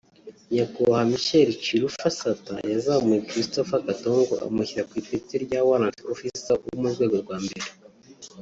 nyakubahwa Michael Chilufya Sata yazamuye Christopher Katongo amushyira ku ipeti rya Warrant Officer wo ku rwego rwa mbere